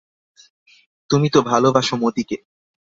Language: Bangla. তুমি তো ভালোবাস মতিকে?